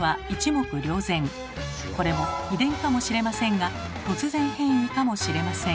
これも遺伝かもしれませんが突然変異かもしれません。